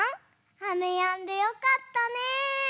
あめやんでよかったね。